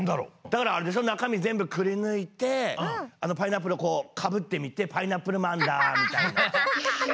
だからあれでしょなかみぜんぶくりぬいてパイナップルをこうかぶってみて「パイナップルマンだ」みたいな。